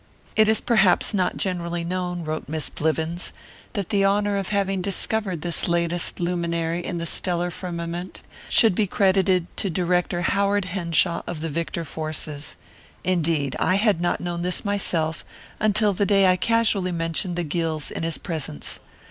"It is perhaps not generally known," wrote Miss Blivens, "that the honour of having discovered this latest luminary in the stellar firmament should be credited to Director Howard Henshaw of the Victor forces. Indeed, I had not known this myself until the day I casually mentioned the Gills in his presence.